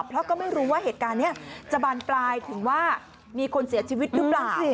เพราะก็ไม่รู้ว่าเหตุการณ์นี้จะบานปลายถึงว่ามีคนเสียชีวิตหรือเปล่า